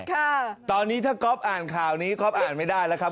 ค่ะตอนนี้ถ้าก๊อฟอ่านข่าวนี้ก๊อฟอ่านไม่ได้แล้วครับ